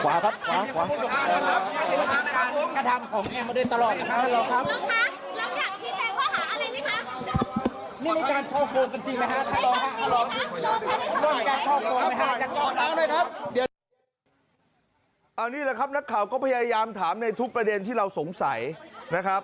เอานี่แหละครับนักข่าวก็พยายามถามในทุกประเด็นที่เราสงสัยนะครับ